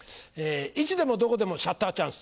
いつでもどこでもシャッターチャンス。